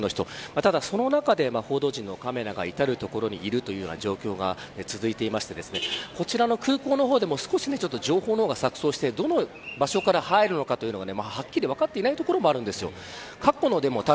ただ、その中で報道陣のカメラが至る所にいるというような状況が続いていてこちらの空港の方でもちょっと、情報が錯綜してどの場所から入るのかというのがはっきり分かっていないところもあるんです。